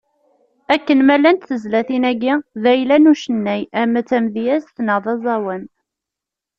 Akken ma llant tezlatin-agi, d ayla n ucennay, ama d tameyazt neɣ aẓawan.